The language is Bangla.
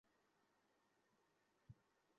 ছেলেটা নিজের দোষে মরেছে!